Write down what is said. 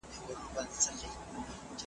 حکومت رسمي پرېکړې اعلانوي.